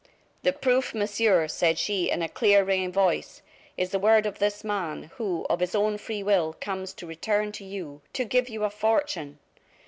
"The proof, Monsieur," said she, in a clear, ringing voice, "is the word of this man, who, of his own free will, comes to return to you to give you a fortune."